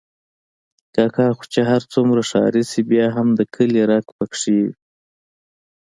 کاکا خو چې هر څومره ښاري شي، بیا هم د کلي رګ پکې دی.